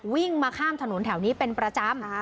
วิ่งมาข้ามถนนแถวนี้เป็นประจำ